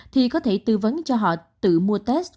thì có thể tư vấn cho họ tự mua test